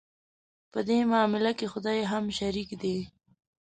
په دې معامله کې خدای هم شریک دی.